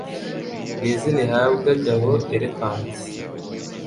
Ni izina ihabwa Gabo Elephant?